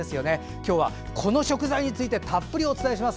今日はこの食材についてたっぷりお伝えします。